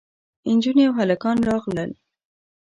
نجونې او هلکان راغلل.